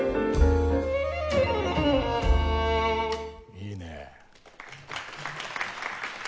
いいね。